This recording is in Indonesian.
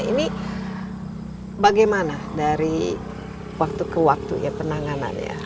ini bagaimana dari waktu ke waktu ya penanganannya